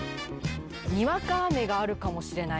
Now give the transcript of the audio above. にわか雨があるかもしれない？